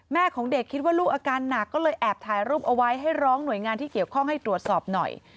ของเด็กคิดว่าลูกอาการหนักก็เลยแอบถ่ายรูปเอาไว้ให้ร้องหน่วยงานที่เกี่ยวข้องให้ตรวจสอบหน่อย